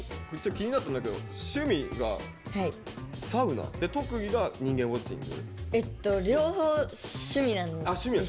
気になったんだけど趣味がサウナで特技が人間ウォッチング。